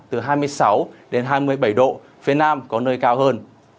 từ hai mươi sáu đến hai mươi bảy độ phía nam có nơi cao hơn